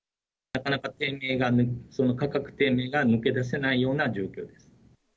なかなか低迷が、価格低迷が抜け出せないような状況です。